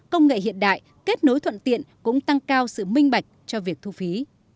công nghệ hiện đại kết nối thuận tiện cũng tăng cao sự minh bạch cho việc thu phí